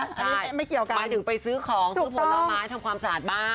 อันนี้ไม่เกี่ยวกันหมายถึงไปซื้อของซื้อผลไม้ทำความสะอาดบ้าน